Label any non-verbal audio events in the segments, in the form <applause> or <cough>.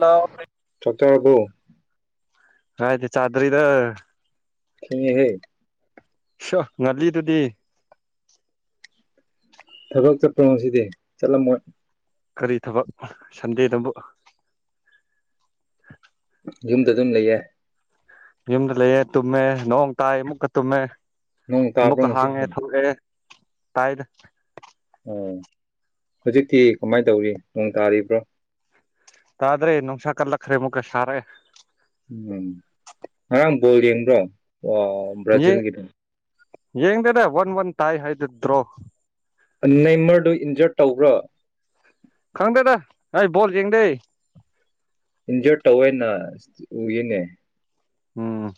hello ꯆꯠꯇꯔꯕꯣ <inaudible> ꯀꯥꯏꯗꯩ ꯆꯥꯗ꯭ꯔꯤꯗ ꯊꯦꯡꯉꯦꯍꯦ ꯁ ꯉꯜꯂꯤꯗꯨꯗꯤ ꯊꯕꯛ ꯆꯠꯄꯔꯣꯉꯁꯤꯗꯤ ꯆꯠꯂꯝꯃꯣꯏ ꯀꯔꯤ ꯊꯕꯛ ꯁꯟꯗꯦ ꯗꯕꯨ ꯌꯨꯝꯗ ꯑꯗꯨꯝ ꯂꯩꯌꯦ ꯌꯨꯝꯗ ꯂꯩ ꯇꯨꯝꯃꯦ ꯅꯣꯡ ꯇꯥꯏ ꯃꯨꯛꯀ ꯇꯨꯝꯃꯦ ꯅꯣꯡ ꯇꯥꯕ꯭ꯔꯣ ꯑꯃꯨꯛꯀ ꯉꯁꯤ ꯍꯥꯡꯉꯦ ꯊꯣꯛꯂꯛꯑꯦ ꯇꯥꯏꯗ ꯎꯝ ꯍꯧꯖꯤꯛꯇꯤ ꯀꯃꯥꯏꯅ ꯇꯧꯔꯤ ꯅꯣꯡ ꯇꯥꯔꯤꯕ꯭ꯔꯣ ꯇꯥꯗ꯭ꯔꯦ ꯅꯨꯡꯁꯥ ꯀꯂꯛꯈꯔꯦ ꯃꯨꯀ ꯁꯔꯦ ꯎꯝ ꯉꯔꯥꯡ ꯕꯣꯜ ꯌꯦꯡꯕ꯭ꯔꯣ ꯑꯣ ꯕ꯭ꯔꯥꯖꯤꯜꯒꯤꯗꯣ ꯌꯦꯡꯗꯗ ꯋꯥꯟ ꯋꯥꯟ ꯇꯥꯏ ꯍꯥꯏꯗ ꯗ꯭ꯔꯣ ꯅꯩꯃꯔꯗꯨ ꯏꯟꯖꯔ ꯇꯧꯕ꯭ꯔꯣ ꯈꯪꯗꯦꯗ ꯑꯩ ꯕꯣꯜ ꯌꯦꯡꯗꯦ ꯏꯟꯖꯣꯏ ꯇꯧꯋꯦꯅ ꯎꯏꯅꯦ ꯎꯝ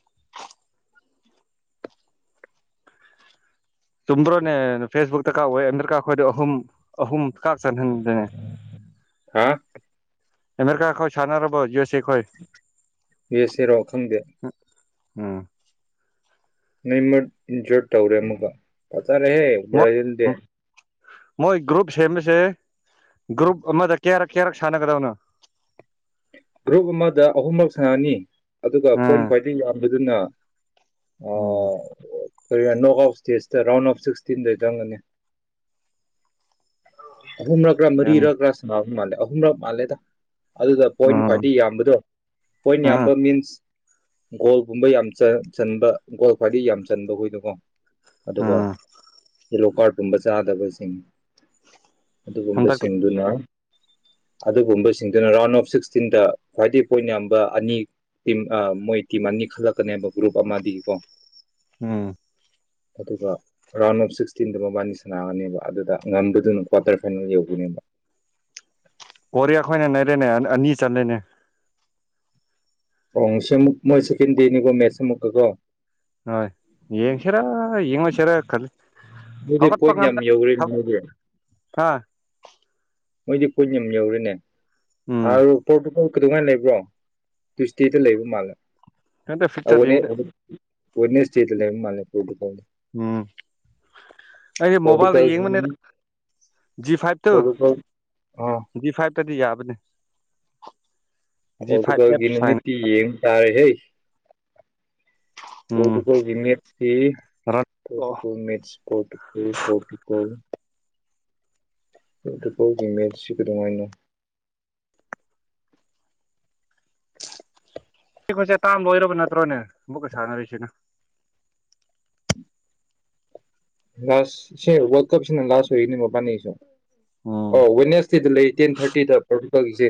ꯆꯨꯝꯕ꯭ꯔꯣꯅꯦ ꯐꯦꯁꯕꯨꯛꯇ ꯀꯥꯋꯦ ꯑꯃꯦꯔꯤꯀꯥ ꯈꯣꯏꯗꯨ ꯑꯍꯨꯝ ꯑꯍꯨꯝ ꯀꯥꯥꯛꯆꯟ ꯍꯟꯗꯦ ꯍꯥ ꯑꯃꯦꯔꯤꯀ ꯈꯣꯏ ꯁꯥꯟꯅꯔꯕꯣ ꯌꯨꯁ ꯌꯦꯁꯦꯔꯣ ꯈꯪꯗꯦ ꯎꯝ ꯅꯣꯏꯃꯔꯠ ꯏꯟꯖꯣꯏ ꯇꯧꯔꯦ ꯑꯃꯨꯛꯀ ꯌꯥꯔꯦ ꯍꯦ ꯕꯥꯔꯖꯤꯟꯗꯤ ꯎꯝ ꯃꯣꯏ ꯒ꯭ꯔꯨꯞ ꯁꯦꯝꯕꯁꯦ ꯒ꯭ꯔꯨꯞ ꯑꯃꯗ ꯀꯌꯥꯔꯛ ꯀꯌꯥꯔꯛ ꯁꯥꯟꯅꯒꯗꯕꯅꯣ ꯒ꯭ꯔꯨꯞ ꯑꯃꯗ ꯑꯍꯨꯝꯂꯛ ꯁꯥꯟꯅꯅꯤ ꯑꯗꯨꯒ ꯄꯣꯏꯟ ꯎꯝ ꯈ꯭ꯋꯥꯏꯗꯒꯤ ꯌꯥꯝ ꯑꯗꯨꯅ ꯑꯣ ꯎꯝ ꯀꯔꯤ ꯍꯥꯏꯅꯣ ꯑꯐ ꯁ꯭ꯇꯦꯖ ꯔꯥꯎꯟ ꯑꯣꯐ ꯁꯤꯛꯁꯇꯤꯟꯗ ꯆꯪꯒꯅꯤ ꯑꯍꯨꯝ ꯔꯛꯔ ꯌꯥꯟ ꯃꯔꯤꯔꯛꯔ ꯁꯅꯥꯕ ꯃꯥꯂꯦ ꯑꯍꯨꯝꯔꯛ ꯃꯥꯜꯂꯦꯗ ꯑꯗꯨ ꯄꯣꯏꯟ ꯎꯝ ꯈ꯭ꯋꯥꯏꯗꯒꯤ ꯌꯥꯝꯕꯗꯣ ꯄꯣꯏꯟ ꯎꯝ ꯌꯥꯝꯕ ꯃꯤꯟꯁ ꯒꯣꯜꯒꯨꯝꯕ ꯌꯥꯝ ꯆꯥ ꯆꯟꯕ ꯒꯣꯜ ꯈ꯭ꯋꯥꯏꯗꯒꯤꯩ ꯌꯥꯝ ꯆꯟꯕ ꯍꯣꯏꯗꯨꯀꯣ ꯑꯗꯨꯒ ꯎꯝ ꯌꯦꯂꯣ ꯀꯥꯔꯠ ꯀꯨꯝꯕ ꯆꯥꯗꯕꯁꯤꯡ ꯍꯟꯗꯛꯇꯤ ꯑꯗꯨꯒꯨꯝꯕꯁꯤꯡꯗꯨꯅ ꯑꯗꯨꯒꯨꯝꯕꯁꯤꯡꯗꯨꯅ ꯔꯥꯎꯟ ꯑꯣꯐ ꯁꯤꯛꯁ ꯆꯤꯟꯗ ꯈ꯭ꯋꯥꯏꯗꯒꯤ ꯄꯣꯏꯟ ꯌꯥꯝꯕ ꯑꯅꯤ ꯇꯤꯝ ꯃꯣꯏ ꯇꯤꯝ ꯑꯅꯤ ꯈꯜꯂꯛꯀꯅꯦꯕ ꯒ꯭ꯔꯨꯞ ꯑꯃꯗꯤꯀꯣ ꯎꯝ ꯑꯗꯨꯒ ꯔꯥꯎꯟ ꯑꯣꯐ ꯁꯤꯛꯁꯇꯤꯟꯗ ꯃꯕꯥꯅꯤ ꯁꯅꯥꯒꯅꯦꯕ ꯑꯗꯨꯗ ꯉꯝꯕꯗꯨꯅ ꯀ꯭ꯋꯥꯇꯔ ꯐꯥꯏꯅꯦꯜ ꯌꯧꯗꯣꯏꯅꯦꯕ ꯀꯣꯔꯤꯌꯥ ꯈꯣꯏꯅ ꯅꯩꯔꯦꯅꯦ ꯑꯅꯤ ꯆꯠꯂꯦꯅꯦ ꯄꯣꯡꯁꯦ ꯑꯃꯨꯛ ꯃꯣꯏ ꯁꯦꯀꯦꯟꯗꯦ ꯅꯤꯀꯣ ꯃꯦꯁ ꯑꯥꯃꯨꯛꯀ ꯀꯣ ꯍꯣꯏ ꯌꯦꯡꯁꯤꯔ ꯌꯦꯉꯣꯢꯁꯤꯔ ꯈꯜꯂꯤ ꯃꯗꯤ ꯀꯣꯏꯟ ꯌꯥꯝ ꯌꯧꯔꯤ ꯃꯣꯏꯗꯤ ꯍꯥꯥ ꯃꯣꯏꯗꯤ ꯀꯣꯏꯠ ꯌꯥꯝ ꯌꯧꯔꯦꯅꯦ ꯍꯥꯟ ꯎꯝ ꯄꯣꯔꯇꯨꯒꯟ ꯀꯩꯗꯧꯉꯥꯏꯅ ꯂꯩꯕ꯭ꯔꯣ ꯇꯨꯋꯏꯁꯗꯦꯗ ꯂꯩꯕ ꯃꯥꯜꯂꯦ ꯍꯗ ꯐꯤꯛꯆꯔ ꯌꯦꯡꯗ ꯆꯦꯅꯩꯁꯗꯦꯗ ꯂꯩꯕ ꯃꯥꯂꯦ ꯑꯩꯗꯣ ꯎꯝ ꯑꯩꯁ ꯃꯣꯕꯥꯏꯜꯗ ꯄꯣꯔꯇꯨꯒꯜ ꯌꯦꯡꯕꯅꯤꯗ ꯖꯤ ꯐꯥꯏꯚꯇꯨ ꯄꯣꯔꯇꯨꯒꯜ ꯑꯥ ꯖꯤ ꯐꯥꯏꯚ ꯀꯗꯤ ꯌꯥꯕꯅꯦ ꯖꯤ ꯐꯥꯏꯚ ꯑꯦꯞꯁ ꯍꯥꯏꯅ ꯀꯣꯇꯀꯒꯤꯅꯤꯃꯤꯠꯇꯤ ꯌꯦꯡ ꯇꯥꯔꯦ ꯍꯦ ꯎꯝ ꯄꯣꯇꯨꯀꯜꯒꯤꯃꯦꯠꯁꯤ ꯔꯟ ꯑꯣ ꯄꯣꯇꯨꯀꯜ ꯃꯦꯠꯁ ꯄꯣꯇꯨꯒꯜ ꯄꯣꯇꯨꯒꯜ ꯇ ꯀꯥꯎꯒꯤ ꯃꯜꯁꯤ ꯀ ꯑꯗꯨꯃ ꯍꯥꯏꯅꯣ ꯈꯣꯏꯁꯦ ꯇꯥꯥꯟꯕ ꯑꯣꯏꯔꯕ ꯅꯠꯇ꯭ꯔꯣꯅꯦ ꯑꯃꯨꯛꯀꯩ ꯁꯥꯟꯅꯔꯤꯁꯤꯅ ꯂꯥꯁ ꯁꯤ ꯋꯥꯔ ꯀꯞꯁꯤ ꯂꯥꯁ ꯑꯣꯏꯅꯤ ꯃ ꯄꯅꯤꯁ ꯎꯝ <inaudible> ꯁꯤꯗ ꯂꯩ ꯇꯦꯟ ꯊꯥꯔꯇꯤꯗ ꯄꯊꯣꯛꯄꯒꯤꯁꯦ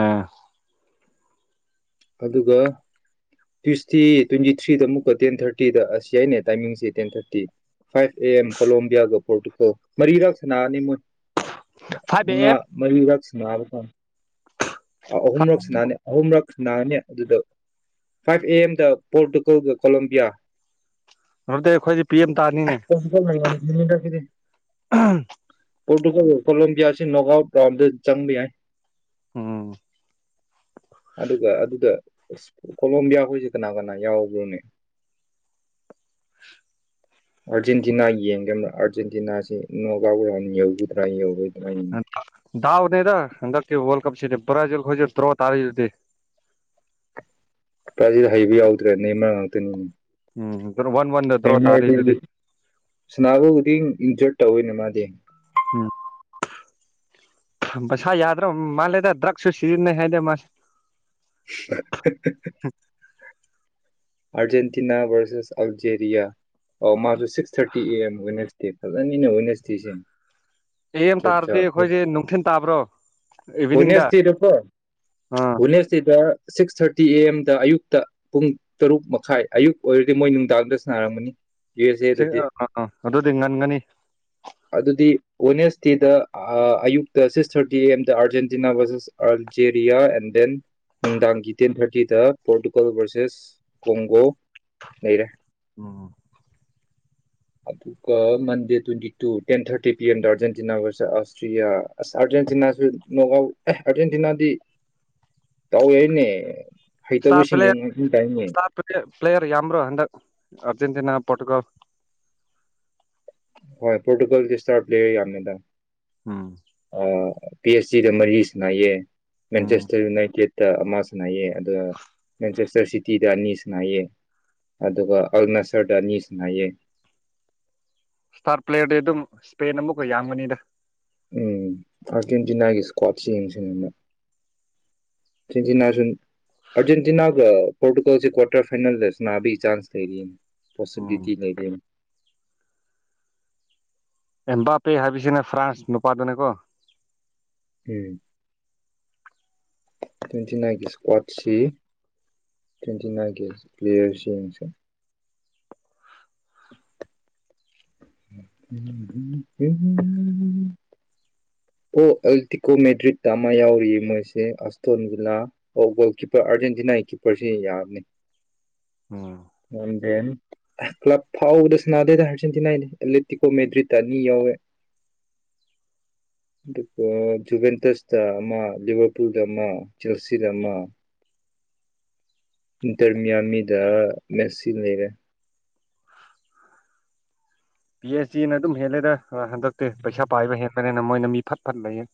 ꯑ ꯑꯗꯨꯒ ꯇ꯭ꯌꯨꯁꯗꯦ ꯇ꯭ꯋꯦꯟꯇꯤ ꯊ꯭ꯔꯤꯗ ꯑꯃꯨꯛꯀ ꯇꯦꯟ ꯊꯥꯔꯇꯤꯗ ꯑꯁꯤ ꯌꯥꯏꯅꯦ ꯇꯥꯏꯃꯤꯡꯁꯦ ten thirty five A M ꯀꯣꯂꯣꯝꯕꯤꯌꯥꯒ ꯄꯣꯔꯇꯨꯒꯜ ꯃꯔꯤꯔꯥꯛ ꯁꯅꯥꯡꯑꯅꯤ ꯃꯣꯏ ꯐꯥꯏꯚ ꯑꯦ ꯃꯥ ꯑꯦꯝ ꯃꯔꯤꯗꯥꯛꯁꯅꯕꯀꯣ ꯑꯍꯨꯝꯔꯛꯁꯤꯅꯥꯅꯦ ꯑꯍꯨꯝꯔꯛ ꯈꯨꯅꯥꯅꯤ ꯑꯗꯨꯗ ꯐꯥꯏꯚ ꯑꯦ ꯑꯦꯝꯗ ꯄꯣꯔꯇꯨꯒꯜꯒ ꯀꯣꯂꯣꯕꯤꯌꯥ ꯑꯗꯨꯗꯤ ꯑꯩꯈꯣꯏꯗꯤ ꯄꯤ ꯑꯦꯃ ꯇꯥꯔꯅꯤꯅꯦ ꯉꯝꯈꯤꯅꯤꯗ ꯄꯣꯔꯇꯨꯒꯜ ꯀꯂꯦꯝꯕꯤꯌꯥ ꯑꯁꯤ ꯅꯣꯒꯥ ꯆꯪꯃꯤ ꯌꯥꯏ ꯎꯝ ꯑꯗꯨꯒ ꯑꯗꯨꯗ ꯏꯁ ꯀꯣꯂꯣꯝꯕꯤꯌꯥ ꯍꯣꯢꯁꯦ ꯀꯅꯥ ꯀꯅꯥ ꯌꯥꯎꯕ꯭ꯔꯣꯅꯦ ꯑꯥꯔꯖꯦꯟꯇꯤꯅꯥ ꯌꯦꯡꯒꯕ ꯑꯥꯔꯖꯦꯟꯇꯤꯅꯥꯁꯤ ꯅꯣꯒꯥꯎ ꯭ꯔ ꯌꯧꯒꯗ꯭ꯔꯥ ꯌꯧꯗ꯭ꯔꯥ ꯗꯥꯎꯅꯤꯗ ꯍꯟꯗꯛꯀꯤ ꯋꯣꯜ <unintelligible> ꯄꯔꯥꯁꯤꯗ ꯍꯩꯕ ꯌꯥꯎꯗ꯭ꯔꯦ ꯅ ꯃꯔꯛ ꯉꯥꯛꯇꯅꯤ ꯎꯝ ꯋꯥꯟ ꯋꯥꯟꯗ ꯗ꯭ꯔꯣ ꯇꯥꯔꯤꯗꯨꯗꯤ <unintelligible> ꯁꯅꯥꯎꯗꯤ ꯇꯧꯋꯤꯅꯦ ꯃꯥꯗꯤ ꯎꯝ ꯃꯁꯥ ꯌꯥꯗ꯭ꯔꯥ ꯃꯥꯜꯂꯦꯗ ꯗ꯭ꯔꯛꯁꯨ ꯁꯤꯖꯤꯟꯅꯩ ꯍꯥꯏꯗ ꯃꯥꯁꯦ <unintelligible> ꯑꯥꯔꯖꯦꯟꯇꯤꯅꯥ ꯚꯔꯁꯦꯁ ꯑꯜꯖꯦꯔꯤꯌꯥ ꯑꯣ ꯃꯥꯁꯨ ꯁꯤꯛꯁ ꯊꯥꯔꯇꯤ ꯑꯦ ꯑꯦꯝ ꯋꯥꯏꯅꯁꯗꯦ ꯐꯖꯅꯤꯅ ꯋꯥꯏꯅꯁꯇꯔꯤꯁꯦ ꯑꯦ ꯑꯦꯝ ꯇꯥꯔꯗꯤ ꯑꯩꯈꯣꯏꯗꯤ ꯅꯨꯡꯊꯤꯟ ꯇꯥꯕ꯭ꯔꯣ ꯏꯚꯤꯅꯤꯡꯗ ꯋꯥꯏꯅ꯭ꯔꯁꯗꯦ ꯀꯣ ꯑꯥ ꯋꯥꯏꯅ꯭ꯔꯁꯗꯦꯗ ꯁꯤꯛꯁ ꯊꯥꯔꯇꯤ ꯑꯦ ꯑꯦꯝꯗ ꯑꯌꯨꯛꯇ ꯄꯨꯡ ꯇꯔꯨꯛ ꯃꯈꯥꯏ ꯑꯌꯨꯛ ꯑꯣꯏꯔꯗꯤ ꯃꯣꯏ ꯅꯨꯡꯗꯥꯡꯗ ꯁꯥꯟꯅꯔꯝꯒꯅꯤ ꯌꯨ ꯑꯦꯁ ꯁꯤ ꯑꯦꯗꯗꯤ ꯑ ꯑꯥ ꯑꯗꯨꯗꯤ ꯉꯟꯒꯅꯤ ꯋꯥꯏꯅꯔꯗꯦꯗ ꯑ ꯌꯨꯛꯇ ꯁꯤꯛꯁ ꯊꯥꯔꯇꯤ ꯑꯦꯝ ꯗ Argentina versus Algeria and then ꯅꯨꯡꯗꯥꯡꯒꯤ ꯇꯦꯟ ꯊꯥꯔꯇꯤꯗ ꯄꯣꯔꯇꯨꯒꯜ ꯚꯔꯁꯦꯁ ꯀꯣꯡꯒꯣ ꯂꯩꯔꯦ ꯎꯝ ꯑꯗꯨꯒ ꯃꯟꯗꯦ twenty two ten thirty P ꯑꯦꯝꯗ ꯑꯥꯔꯖꯦꯟꯇꯤꯅꯥ ꯕꯔꯁꯦ ꯑꯁꯇ꯭ꯔꯤꯌꯥ ꯑꯁ ꯑꯥꯔꯖꯦꯟꯇꯤꯅꯥꯁꯨ ꯅꯣꯛ ꯑꯥꯎꯠ ꯑꯦ ꯑꯥꯔꯖꯦꯟꯇꯤꯅꯥꯗꯤ ꯇꯧꯋꯦꯅꯦ ꯏꯁꯇꯥ ꯄ꯭ꯂꯦꯠ ꯏꯁꯇꯥ ꯄ꯭ꯂꯦ ꯄ꯭ꯂꯦꯌꯔ ꯌꯥꯝꯕ꯭ꯔꯣ ꯍꯟꯗꯛ ꯑ ꯑꯔꯖꯦꯟꯇꯤꯅꯥ ꯄꯣꯔꯇꯨꯒꯟ ꯍꯣꯏ ꯄꯣꯔꯇꯨꯒꯜ ꯏꯁꯇꯥꯔ ꯄ꯭ꯂꯦꯔ ꯌꯥꯝꯃꯦꯗꯥ ꯎꯝ ꯄꯤ ꯑꯩꯆ ꯁꯤꯗ ꯃꯔꯤ ꯁꯥꯟꯅꯩꯌꯦ ꯎꯝ ꯃꯦꯟꯆꯦꯁꯇꯔ ꯌꯨꯅꯥꯏꯇꯦꯠ ꯇ ꯑꯃ ꯁꯅꯥꯏꯑꯌꯦ ꯑꯗꯨꯒ ꯃꯦꯟꯆꯦꯁꯇꯔ ꯁꯤꯇꯤꯗ ꯑꯅꯤꯁꯨ ꯁꯅꯥꯏꯑꯦ ꯑꯗꯨꯒ ꯑꯜꯅꯆꯟꯗ ꯑꯅꯤꯁꯨ ꯅꯥꯏꯑꯌꯦ ꯏꯁꯇꯥꯔ ꯄ꯭ꯂꯦꯠꯤ ꯑꯗꯨꯝ ꯏꯁꯄꯦꯟ ꯑꯃꯛꯀ ꯌꯥꯝꯒꯅꯤꯗ ꯎꯝ ꯑꯥꯔꯖꯦꯟꯇꯤꯅꯥꯒꯤ ꯏꯁꯀ꯭ꯋꯥꯠꯁ ꯌꯦꯡꯁꯤꯅꯦꯅ ꯑꯥꯔꯖꯦꯟꯇꯤꯅꯥꯁꯨ ꯑꯥꯔꯖꯦꯟꯇꯤꯅꯥꯒ ꯄꯣꯔꯇꯨꯒꯜꯁꯦ ꯀ꯭ꯋꯥꯇꯔ ꯐꯥꯏꯅꯦꯜꯗꯁꯨ ꯁꯅꯥꯕꯒꯤ ꯆꯥꯟꯁ ꯂꯩꯔꯤꯅ ꯎꯝ ꯄꯣꯁꯤꯕꯤꯂꯤꯇꯤ ꯂꯩꯕꯔꯥ ꯑꯦꯝꯕꯥ ꯄꯦ ꯍꯥꯢꯕꯁꯤꯅꯦ ꯐ꯭ꯔꯥꯟꯁ ꯅꯄꯥꯗꯨꯅꯦ ꯀꯣ ꯎꯝ ꯇ꯭ꯋꯦꯟꯇꯤ ꯅꯥꯏꯟꯒꯤ ꯏꯁꯀ꯭ꯋꯥꯠꯁꯤ ꯇ꯭ꯋꯦꯟꯇꯤ ꯅꯥꯏꯟꯒꯤ ꯄ꯭ꯂꯦꯌꯔꯁꯤ ꯌꯦꯡꯁꯦ ꯎꯃꯎꯝ ꯎꯝ ꯀꯣ ꯑꯦꯜꯇꯤꯀꯣ ꯃꯦꯗ꯭ꯔꯤꯠꯇ ꯑꯃ ꯌꯥꯎꯔꯤ ꯃꯣꯏꯁꯦ ꯑꯁꯇꯣꯟꯕꯤꯂꯥ ꯑꯣ ꯒꯣꯜ ꯀꯤꯞꯄꯔ ꯑꯥꯔꯖꯦꯟꯇꯤꯅꯥꯒꯤ ꯀꯤꯞꯄꯔꯁꯤ ꯌꯥꯕꯅꯤ ꯎꯝ ꯀ꯭ꯂꯕ ꯐꯥꯎꯕꯗ ꯁꯅꯥꯗꯦꯗ ꯑꯥꯔꯖꯦꯟꯇꯤꯅꯥꯏꯗꯤ ꯂꯦꯇꯤꯀꯣ ꯃꯦꯗ꯭ꯔꯤꯠꯇ ꯑꯅꯤ ꯌꯥꯎꯋꯦ ꯑꯗꯨꯒ ꯖꯨꯕꯦꯟꯇꯁꯇ ꯑꯃ ꯂꯤꯌꯣ ꯇꯨꯗ ꯑꯃ ꯖꯔꯁꯤꯗ ꯑꯃ ꯗꯔꯃꯤꯌꯥꯃꯤꯗ ꯉꯁꯤ ꯂꯩꯔꯦ ꯄꯤ ꯑꯩꯁ ꯗꯤꯅ ꯑꯗꯨꯝ ꯍꯦꯜꯂꯦꯗ ꯍꯟꯗꯛꯇꯤ ꯄꯩꯁꯥ ꯄꯥꯏꯕ ꯍꯦꯟꯕꯅꯤꯅ ꯃꯣꯏꯅ ꯃꯤ ꯐꯠ ꯐꯠ ꯂꯩꯌꯦ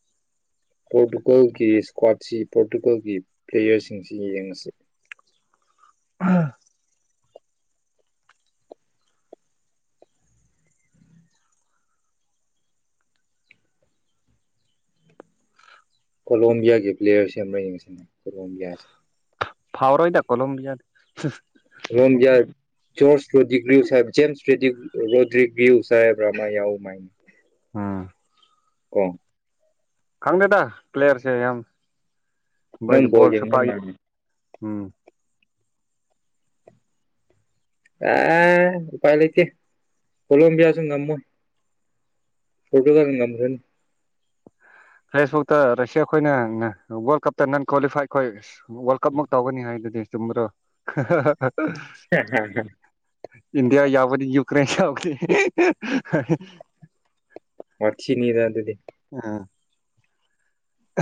ꯄꯣꯔꯇꯨꯒꯜꯒꯤ ꯏꯁꯀ꯭ꯋꯥꯠꯁꯤ ꯄꯣꯔꯇꯨꯒꯜꯒꯤ ꯄ꯭ꯂꯦꯌꯔꯁꯤꯡꯁꯤ ꯌꯦꯡꯂꯉꯁꯤ ꯑ ꯀꯣꯂꯣꯝꯕꯤꯌꯥꯒꯤ ꯄ꯭ꯂꯦꯌꯔ ꯁꯦꯝ ꯑꯃꯅ ꯌꯦꯡꯉꯁꯤꯅꯦ ꯀꯣꯂꯣꯝꯕꯤꯌꯥꯁꯦ ꯐꯥꯎꯔꯣꯏꯗ ꯀꯣꯂꯣꯕꯤꯌꯥꯔ ꯔꯣꯝꯌꯔ ꯁꯣꯔꯁ ꯗꯤꯒ꯭ꯔꯤ ꯌꯨꯁ ꯖꯦꯝꯁꯗ ꯗꯤꯒ꯭ꯔꯤ ꯋꯔꯗꯔꯤꯒ꯭ꯌꯎ ꯍꯥꯏꯕ ꯑꯃ ꯌꯥꯎ ꯃꯥꯏ ꯑꯥ ꯑꯣ ꯈꯪꯗꯦꯗ ꯄꯦꯌꯥꯔꯁꯦ ꯌꯥꯝ ꯅꯪꯪ ꯃꯣꯏꯗ ꯕꯣꯜ ꯕꯣꯜꯁꯨ ꯍꯦꯡꯕ ꯄꯥꯏ ꯃꯃꯤ ꯎꯝ ꯑꯦ ꯎꯥꯄꯥꯢ ꯂꯩꯇꯦ ꯀꯣꯂꯝꯕꯤꯌꯥꯁꯨ ꯉꯝꯃꯣꯏ ꯄꯣꯔꯇꯨꯒꯟ ꯉꯝꯈ꯭ꯔꯅꯤ ꯐꯦꯁꯕꯨꯛꯇ ꯔꯁꯤꯌꯥ ꯈꯣꯏꯅ ꯋꯥꯔꯜ ꯀꯞꯇ ꯅꯟ ꯀ꯭ꯋꯥꯂꯤꯐꯥꯏ ꯈꯣꯏ ꯋꯥꯔꯜ ꯀꯞꯃꯛ ꯇꯧꯒꯅꯤ ꯍꯥꯏ ꯑꯗꯨꯗꯤ ꯆꯨꯝꯕꯔꯣ ꯍꯥ ꯍꯥ ꯍꯥ ꯍꯦ ꯍꯦ ꯍꯦ ꯏꯟꯗꯤꯌꯥ ꯌꯥꯕꯗꯤ ꯌꯨꯀ꯭ꯔꯦꯟ ꯌꯥꯎꯚꯤ ꯋꯥꯊꯤꯅꯤꯗ ꯑꯗꯨꯗꯤ ꯑꯥ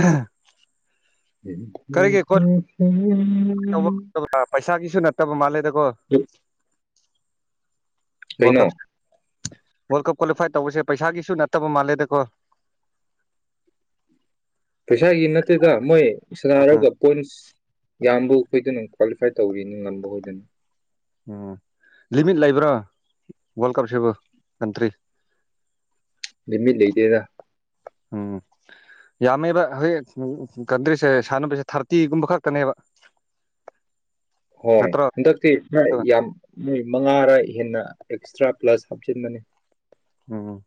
ꯑꯥ ꯍꯥ ꯍꯝ ꯍꯝ ꯍꯝ ꯍꯝ ꯇ ꯃ ꯃꯥꯂꯦꯗ ꯀꯣ ꯀꯩꯅꯣ ꯋꯥꯔꯜꯀꯞ ꯋꯥꯔꯜ ꯀꯞ ꯀ꯭ꯋꯥꯂꯤꯐꯥꯏ ꯇꯧꯕꯁꯦ ꯄꯩꯁꯥꯒꯤꯁꯨ ꯅꯠꯇꯕ ꯃꯥꯜꯂꯦꯗꯀꯣ ꯄꯩꯁꯥꯒꯤ ꯅꯠꯇꯦꯗ ꯃꯣꯏ ꯁꯥꯟꯅꯔꯒ ꯄꯣꯏꯟꯁ ꯌꯥꯝꯕꯨ ꯑꯩꯈꯣꯏꯗꯅ ꯀ꯭ꯋꯥꯂꯤꯐꯥꯏ ꯇꯧꯔꯤꯅꯤ ꯉꯝꯕ ꯍꯣꯏꯗꯣꯏꯅ ꯎꯝ ꯂꯤꯃꯤꯠ ꯂꯩꯕ꯭ꯔꯣ ꯋꯥꯔꯜ ꯀꯞꯁꯤꯕꯨ ꯀꯟꯇ꯭ꯔꯤ ꯂꯤꯃꯤꯠ ꯂꯩꯗꯦꯗ ꯎꯝ ꯌꯥꯝꯃꯦꯕ ꯍꯧꯖꯤꯛ ꯀꯟꯗ꯭ꯔꯤꯁꯦ ꯁꯥꯟꯅꯕꯁꯦ ꯊꯥꯔꯇꯤꯒꯨꯝꯕ ꯈꯛꯇꯅꯦꯕ ꯍꯣꯏ ꯅꯠꯇ꯭ꯔꯣ ꯍꯟꯗꯛꯇꯤ ꯌꯥꯝ ꯃꯣꯏ ꯃꯉꯥꯔ ꯍꯦꯟꯅ ꯑꯦꯛꯁꯇ꯭ꯔꯥ ꯄꯂꯁ ꯍꯥꯞꯆꯤꯟꯕꯅꯤ ꯎꯝ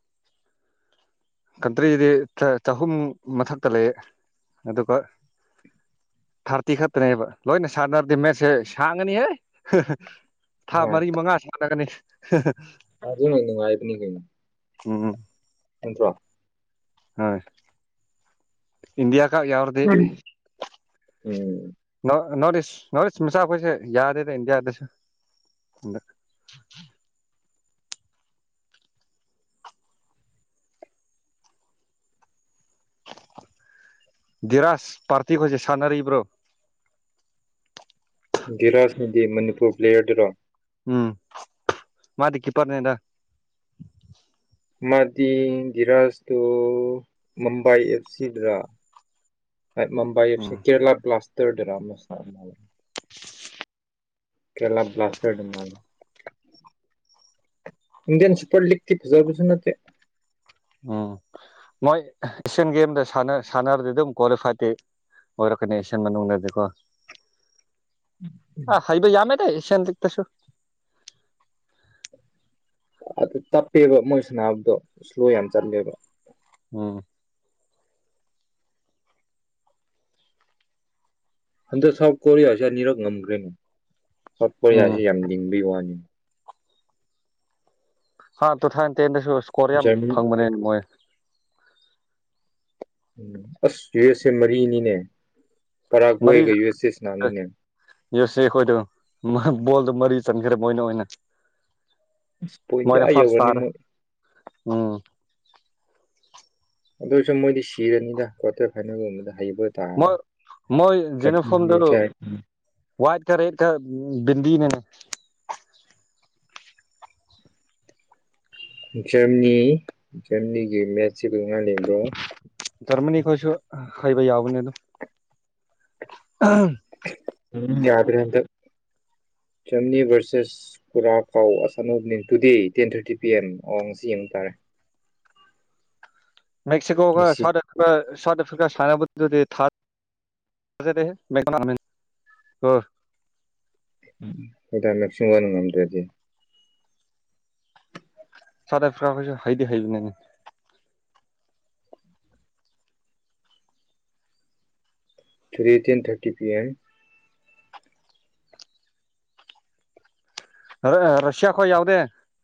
ꯀꯟꯇ꯭ꯔꯤꯗꯤ ꯆꯍꯨꯝ ꯃꯊꯛꯇ ꯂꯩꯌꯦ ꯑꯗꯨꯒ ꯊꯥꯔꯇꯤ ꯈꯛꯇꯅꯦꯕ ꯂꯣꯏꯅ ꯁꯥꯟꯅꯔꯗꯤ ꯃꯦꯠꯁꯁꯦ ꯁꯥꯡꯉꯅꯤꯍꯦ ꯊꯥ ꯃꯔꯤ ꯃꯉꯥ ꯁꯥꯟꯅꯒꯅꯤ ꯍꯥ ꯍꯥ ꯑ ꯑꯗꯨ ꯅꯨꯡꯉꯥꯏꯕꯅꯤ ꯀꯩꯅꯣ ꯎꯝ ꯅꯠꯇꯔꯣ ꯍꯣꯏ ꯏꯟꯗꯤꯌꯥ ꯀ ꯌꯥꯎꯔꯗꯤ ꯎꯝ ꯎꯝ ꯅ ꯅꯣꯔꯠ ꯏꯁ ꯅꯣꯔꯠ ꯏꯁ ꯃꯆꯥ ꯑꯩꯈꯣꯏꯁꯦ ꯌꯥꯗꯦꯗ ꯏꯟꯗꯤꯌꯥꯗꯁꯨ ꯗꯤꯔꯥꯁ ꯄꯥꯔꯇꯤ ꯍꯣꯏꯁꯦ ꯁꯥꯟꯅꯔꯤꯕ꯭ꯔꯣ ꯗꯤꯔꯥꯥꯁ ꯍꯥꯏꯗꯤ ꯃꯅꯤꯄꯨꯔ ꯄꯂꯦꯌꯦꯔ ꯗꯨꯔꯣ ꯎꯝ ꯃꯥꯗꯤ ꯀꯤꯄ꯭ꯔꯅꯦꯗ ꯃꯥꯗꯤ ꯙꯤꯔꯥꯖꯇꯣ ꯃꯨꯝꯕꯥꯏ ꯑꯦꯐ ꯁꯤꯗ꯭ꯔꯥ ꯃꯨꯝꯕꯥꯏ ꯑꯦꯐꯁꯤ ꯎꯝ ꯀꯦꯔꯂꯥ ꯄꯂꯁ <unintelligible> <inaudible> ꯀꯦꯂ ꯄ꯭ꯂꯥꯁꯔ ꯃꯥꯅ ꯏꯟꯗꯤꯌꯥꯟ ꯁꯨꯄꯔ ꯂꯤꯒꯀꯤ ꯐꯖꯥꯕꯤꯁꯨ ꯅꯠꯇꯦ ꯎꯝ ꯃꯣꯏ ꯑꯦꯁꯤꯌꯥꯟ ꯒꯦꯝꯗ ꯁꯥꯟꯅꯔꯗꯤ ꯑꯗꯨꯝ ꯀ꯭ꯋꯥꯂꯤꯐꯥꯏꯇꯤ ꯑꯣꯏꯔꯛꯀꯅꯤ ꯑꯦꯁꯤꯌꯥꯟ ꯃꯅꯨꯡꯗꯗꯤꯀꯣ ꯑ ꯍꯩꯕ ꯌꯥꯝꯃꯦꯗ ꯑꯦꯁꯤꯌꯥꯟ ꯂꯤꯛꯇꯁꯨ ꯑꯗꯨ ꯇꯞꯄꯦꯕ ꯃꯣꯏ ꯁꯅꯕꯗꯣ ꯁꯂꯣ ꯌꯥꯝ ꯆꯠꯂꯦꯕ ꯎꯝ ꯍꯟꯗꯛ ꯁꯥꯎꯊ ꯀꯣꯔꯤꯌꯥꯁꯤ ꯑꯅꯤꯔꯛ ꯉꯝꯒ꯭ꯔꯦ ꯁꯥꯎꯠ ꯎꯝ ꯀꯣꯔꯤꯌꯥꯁꯦ ꯌꯥꯝ ꯂꯤꯡꯕꯩ ꯋꯥꯅꯤ ꯎꯝ <inaudible> ꯍꯥꯐ ꯇꯨ ꯊꯥꯏꯟ ꯇꯦꯟꯗꯁꯨꯟ <unintelligible> ꯏꯁꯀꯣꯔ ꯌꯥꯝ ꯖꯔꯃ ꯐꯪꯕꯅꯦ ꯃꯣꯏ ꯑꯁ ꯌꯨ ꯑꯦꯁ ꯑꯦ ꯃꯔꯤꯅꯤ ꯅꯦ ꯃꯔꯤꯔꯛ ꯌꯨ ꯑꯦꯁ ꯑꯦ ꯈꯣꯏꯗꯣ ꯕꯣꯜꯗꯣ ꯃꯔꯤ ꯆꯟꯈ꯭ꯔꯦ ꯃꯣꯏꯅ ꯑꯣꯏꯅ ꯄꯨꯏꯟꯗꯤ ꯃꯣꯏꯅ ꯑꯥ ꯐꯥꯔꯁ ꯌꯧꯔꯅꯤ ꯇꯥꯔꯦ ꯃꯣꯢ ꯎꯝ ꯑꯗꯨꯁꯨ ꯃꯣꯏꯗꯤ ꯁꯤꯔꯅꯤꯗ ꯀ꯭ꯋꯥꯔꯇꯔ ꯐꯥꯏꯅꯦꯜꯒꯨꯝꯕꯗ ꯍꯩꯕ ꯇꯥꯔꯅꯤ ꯃꯣꯏ ꯃꯣꯏ <unintelligible> ꯋꯥꯏꯠ ꯀ ꯔꯦꯠ ꯀ ꯕꯤꯟꯗꯤ ꯅꯦ <unintelligible> ꯖꯔꯃꯅꯤ ꯖꯔꯃꯅꯤꯒꯤ ꯃꯦꯁꯁꯤ ꯖꯔ꯭ꯃꯅꯤ ꯈꯣꯢꯁꯨ ꯍꯥꯏꯕ ꯌꯥꯎꯕꯅꯦ ꯑꯗꯨꯝ ꯎꯝ ꯌꯥꯗ꯭ꯔꯦ ꯍꯟꯗꯛ ꯖꯔꯃꯅꯤ ꯚꯔꯁꯦꯁ ꯄꯨꯔꯥ ꯀꯥꯎ ꯑꯁ ꯑꯅꯧꯕ ꯇꯨꯗꯦ ꯇꯦꯟ ꯊꯥꯔꯇꯤ ꯄꯤ ꯑꯦꯝ ꯑꯋ ꯉꯁꯤ ꯌꯦꯡꯕ ꯇꯥꯔꯦ ꯃꯦꯛꯁꯤꯀꯣ ꯒ ꯉꯁꯤ ꯁꯥꯎ꯭ꯊ ꯑꯐꯤ ꯀ <unintelligible> ꯁꯥꯥꯎꯠ ꯑꯐ꯭ꯔꯤꯀꯥ ꯁꯥꯏꯅꯥꯕ ꯗꯨꯗꯤ ꯊꯥꯖꯗꯦꯍꯦ <unintelligible> ꯍꯟꯗꯛ ꯃꯦꯛꯁꯤꯔ ꯉꯝꯗ꯭ꯔꯗꯤ ꯁꯥꯥꯎꯊ ꯑꯐ꯭ꯔꯀꯥ ꯈꯣꯢꯁꯨ ꯍꯩꯗꯤ ꯍꯥꯏꯕꯅꯤꯅꯦ three ten thirty P M Russia ꯈꯣꯏ ꯌꯥꯎꯗꯦ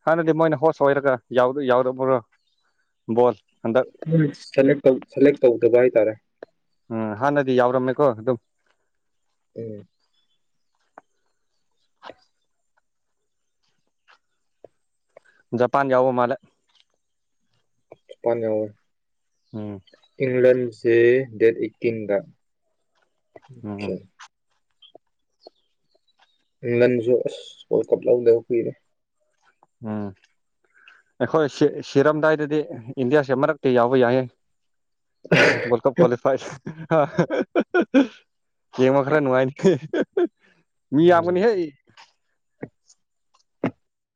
ꯍꯥꯟꯅꯗꯤ ꯃꯣꯏꯅ ꯍꯣꯁ ꯑꯣꯏꯔꯒ ꯌꯥꯎꯗ ꯌꯥꯎꯗꯕ ꯕꯣꯜ ꯍꯟꯗꯛ ꯎꯝ ꯁꯦꯂꯦꯛ ꯇꯧ ꯁꯦꯂꯦꯛ ꯇꯧ ꯗꯕꯥꯏ ꯍꯥꯢꯇꯥꯔꯦ <unintelligible> ꯎꯝ ꯍꯥꯟꯅꯗꯤ ꯌꯥꯎꯔꯝꯃꯦꯀꯣ ꯑꯗꯨꯝ ꯎꯝ ꯖꯄꯥꯟ ꯌꯥꯎꯕ ꯃꯥꯂꯦ ꯖꯄꯥꯟ ꯌꯥꯎ ꯑꯦ ꯎꯝ ꯏꯪꯂꯟꯁꯦ ꯗꯦꯠ ꯑꯩꯠꯇꯤꯟꯗ ꯎꯝ ꯑꯆꯥ <unintelligible> ꯏꯡꯂꯟꯁꯨ ꯑꯁ ꯋꯥꯔꯜ ꯀꯞ ꯂꯧꯗꯕ ꯀꯨꯢꯔꯦ ꯎꯝ ꯑꯩꯈꯣꯏ <unintelligible> ꯁꯤꯔꯝꯗꯥꯏꯗꯗꯤ ꯏꯟꯗꯤꯌꯥꯁꯦ ꯃꯔꯛꯇꯤ ꯌꯥꯎꯕ ꯌꯥꯏꯌꯦ ꯋꯥꯔꯜ ꯀꯞ ꯀ꯭ꯋꯥꯂꯤꯐꯥꯏ ꯌꯦꯡꯕ ꯈꯔꯥ ꯅꯨꯡꯉꯥꯏꯅꯤ ꯃꯤ ꯎꯝ ꯌꯥꯝꯒꯅꯤ ꯍꯦ